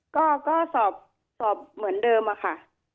ก็สอบเหมือนเดิมอะค่ะ